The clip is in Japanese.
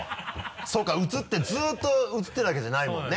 そうかずっと映ってるわけじゃないもんね。